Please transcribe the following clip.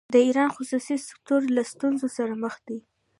د ایران خصوصي سکتور له ستونزو سره مخ دی.